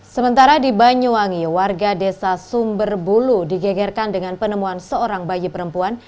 sementara di banyuwangi warga desa sumberbulu digegerkan dengan penemuan seorang bayi perempuan